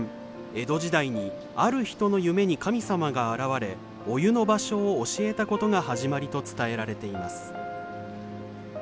江戸時代にある人の夢に神様が現れお湯の場所を教えたことが始まりと伝えられています。